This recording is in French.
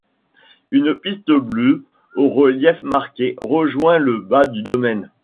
Une piste bleue, au relief marqué, rejoint le bas du domaine.